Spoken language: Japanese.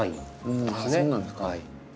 そうなんですか。